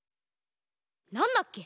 なんだっけ？